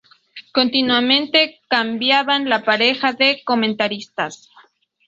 Continuamente cambiaban la pareja de comentaristas.